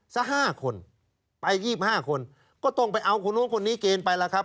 สักห้าคนไปยี่สิบห้าคนก็ต้องไปเอาคนนู้นคนนี้เกณฑ์ไปละครับ